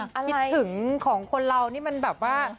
คิดถึงของคนเรานี่มันแบบว่า